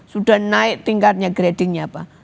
sudah naik tingkatnya gradingnya apa